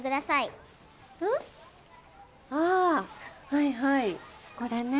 ああはいはいこれね。